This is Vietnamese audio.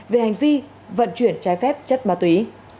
về hành vi vận chuyển trái phép chất ma túy